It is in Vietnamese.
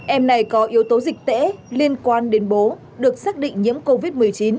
em này có yếu tố dịch tễ liên quan đến bố được xác định nhiễm covid một mươi chín